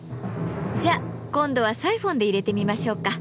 じゃあ今度はサイフォンでいれてみましょうか。